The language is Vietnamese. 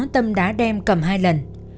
tâm đã đem cầm hai lần